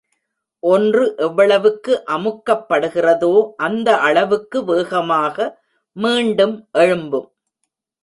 ஒன்று எவ்வளவுக்கு அமுக்கப்படுகிறதோ அந்த அளவுக்கு வேகமாக மீண்டும் எழும்பும்.